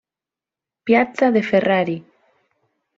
Piazza De Ferrari.